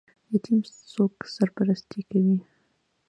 یتیم څوک سرپرستي کوي؟